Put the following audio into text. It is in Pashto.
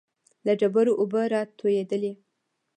له ډبرو اوبه را تويېدلې.